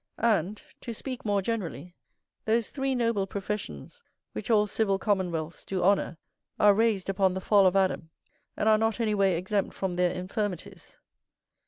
And, to speak more generally, those three noble professions which all civil commonwealths do honour, are raised upon the fall of Adam, and are not any way exempt from their infirmities.